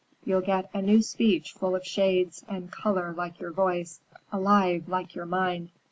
You'll get a new speech full of shades and color like your voice; alive, like your mind.